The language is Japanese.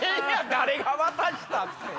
誰が渡したって。